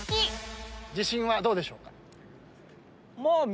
自信はどうでしょうか？